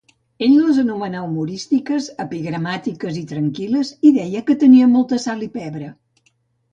Ell les anomenà humorístiques, epigramàtiques i tranquil·les i deia que tenien molta sal i pebre.